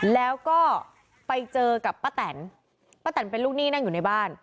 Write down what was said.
แล้วก็ไปเจอกับป้าแตนป้าแตนเป็นลูกหนี้นั่งอยู่ในบ้าน